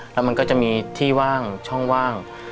แล้วมันก็จะมีที่ว่างช่องว่าง